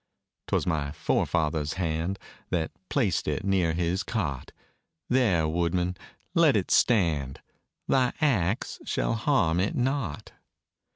'Twas my forefather's hand That placed it near his cot; There, woodman, let it stand, Thy axe shall harm it not.